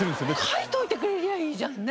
書いておいてくれりゃあいいじゃんね。